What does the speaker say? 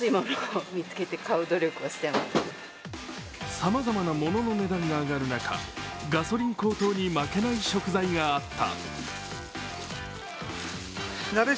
さまざまな物の値段が上がる中、ガソリン高騰に負けない食材があった。